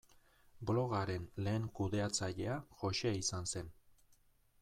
Blogaren lehen kudeatzailea Jose izan zen.